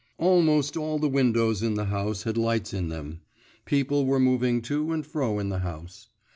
Almost all the windows in the house had lights in them; people were moving to and fro in the house.